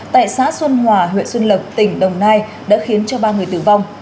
tại xã xuân hòa huyện xuân lộc tỉnh đồng nai đã khiến cho ba người tử vong